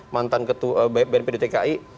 mantan bnp dtki